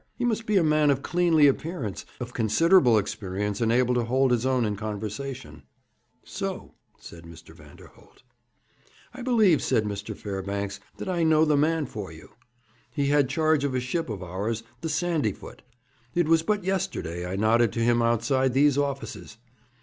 He must be a man of cleanly appearance, of considerable experience, and able to hold his own in conversation.' 'So,' said Mr. Vanderholt. 'I believe,' said Mr. Fairbanks, 'that I know the man for you. He had charge of a ship of ours, the Sandyfoot. It was but yesterday I nodded to him outside these offices.